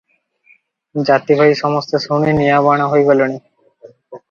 ଜାତିଭାଇ ସମସ୍ତେ ଶୁଣି ନିଆଁବାଣ ହୋଇ ଗଲେଣି ।